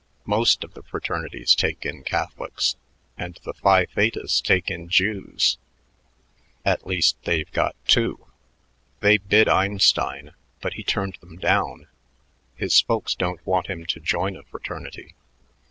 Most of the fraternities take in Catholics, and the Phi Thetas take in Jews; at least, they've got two. They bid Einstein, but he turned them down; his folks don't want him to join a fraternity.